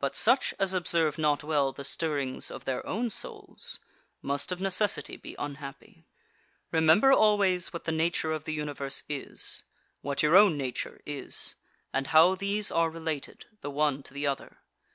But such as observe not well the stirrings of their own souls must of necessity be unhappy. 9. Remember always what the nature of the Universe is, what your own nature is, and how these are related the one to the other.